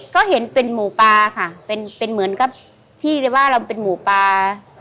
ก็เห็นเป็นหมูปลาค่ะเป็นเป็นเหมือนกับที่ว่าเราเป็นหมูปลา